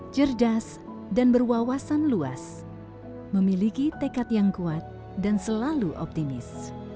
cerdas dan berwawasan luas memiliki tekad yang kuat dan selalu optimis